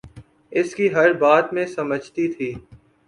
اس کی ہر بات میں سمجھتی تھی